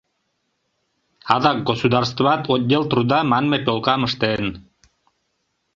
Адак государстват «отдел труда» манме пӧлкам ыштен.